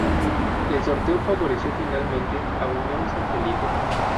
El sorteo favoreció finalmente a Unión San Felipe.